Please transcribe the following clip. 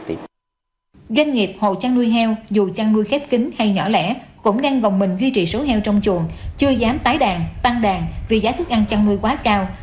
tại vì vậy hồ trang nuôi heo dù trang nuôi khép kín hay nhỏ lẻ cũng đang gồng mình duy trì số heo trong chuồng chưa dám tái đàn tăng đàn vì giá thức ăn trang nuôi quá cao